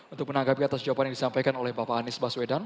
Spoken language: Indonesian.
untuk menanggapi atas jawaban yang disampaikan oleh bapak anies baswedan